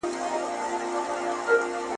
• کلاله، وکه خپله سياله.